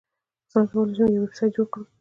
څنګه کولی شم یو ویبسایټ جوړ کړم